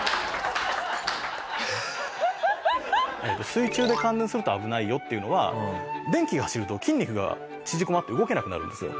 水中で感電すると危ないよっていうのは電気が走ると筋肉が縮こまって動けなくなるんですよ。